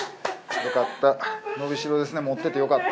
よかった。